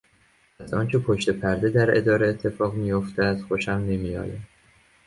از آنچه پشت پرده در اداره اتفاق میافتد خوشم نمیآید.